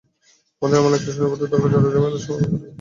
আমাদের এমন একটি শাসনপদ্ধতি দরকার যারা ড্রিমারদের সুরক্ষা করবে।